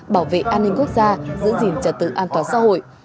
bảo vệ an ninh quốc gia giữ gìn trật tự an toàn xã hội